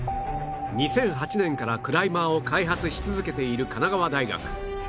２００８年からクライマーを開発し続けている神奈川大学